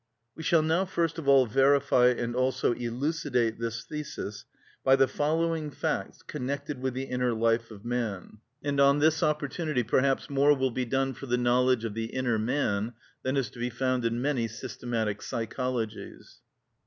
We shall now first of all verify and also elucidate this thesis by the following facts connected with the inner life of man; and on this opportunity perhaps more will be done for the knowledge of the inner man than is to be found in many systematic psychologies.